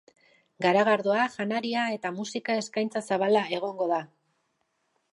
Garagardoa, janaria eta musika eskaintza zabala egongo da.